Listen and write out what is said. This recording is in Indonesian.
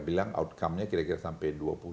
bilang outcome nya kira kira sampai dua puluh